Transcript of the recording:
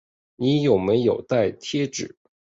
你有没有带贴纸